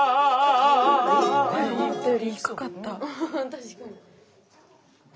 確かに。